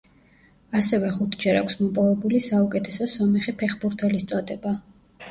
ასევე ხუთჯერ აქვს მოპოვებული საუკეთესო სომეხი ფეხბურთელის წოდება.